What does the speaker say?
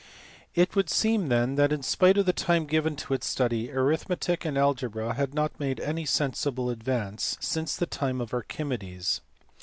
It would seem then that, in spite of the time given to its study, arithmetic and algebra had not made any sensible advance since the time of Archimedes.